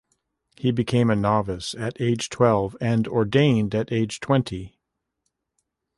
He became a novice at age twelve, and ordained at age twenty.